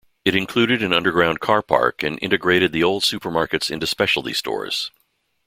It included an underground carpark and integrated the old supermarkets into specialty stores.